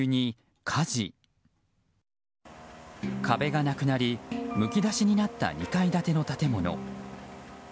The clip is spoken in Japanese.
壁がなくなりむき出しになった２階建ての建物。